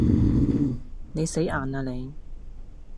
你死硬喇你